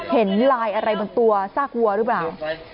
เห็นลายอะไรบนตัวซากวัวหรือเปล่า